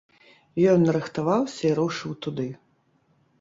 Ён нарыхтаваўся і рушыў туды.